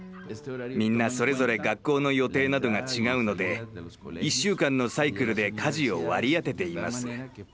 みんなそれぞれ学校の予定などが違うので１週間のサイクルで家事を割り当てています。